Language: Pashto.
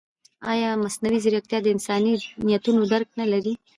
ایا مصنوعي ځیرکتیا د انساني نیتونو درک نه لري؟